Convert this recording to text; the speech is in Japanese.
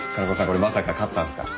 これまさか勝ったんすか？